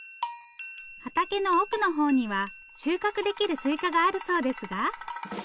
畑の奥の方には収穫できるすいかがあるそうですが。